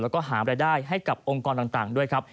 แล้วก็หารายได้ให้กับองค์กรต่างด้วยครับ